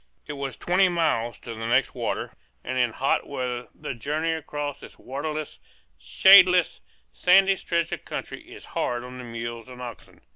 It was twenty miles to the next water, and in hot weather the journey across this waterless, shadeless, sandy stretch of country is hard on the mules and oxen.